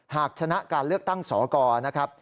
หากชนะการเลือกตั้งสอกร